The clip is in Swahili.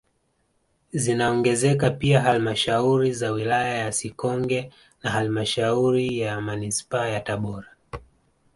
Zinaongezeka pia halmashauri ya wilaya ya Sikonge na halmashauri ya manispaa ya Tabora